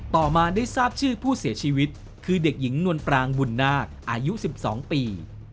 ต่อมาได้ทราบชื่อผู้เสียชีวิตคือเด็กหญิงนวลปรางบุญนาคอายุ๑๒ปี